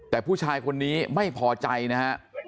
แต่ผู้ชายคนนี้ไม่พอใจนะฮะ